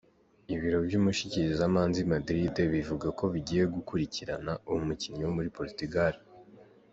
Ibiro vy'umushikirizamanza i Madrid bivuga ko bigiye gukurikirana uwo mukinyi wo muri Portugal.